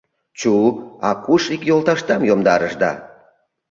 — Чу, а куш ик йолташдам йомдарышда?